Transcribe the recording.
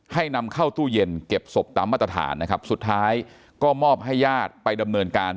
ให้นำเข้าตู้เย็นเก็บศพตามมาตรฐานนะครับสุดท้ายก็มอบให้ญาติไปดำเนินการ